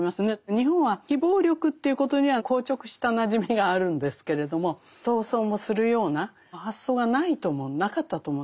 日本は非暴力ということには硬直したなじみがあるんですけれども闘争もするような発想がないと思うなかったと思うんです今までね。